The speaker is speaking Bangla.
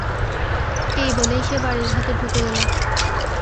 এই বলেই সে বাড়ির ভেতর ঢুকে গেল।